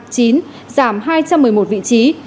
giảm hai trăm một mươi một vị trí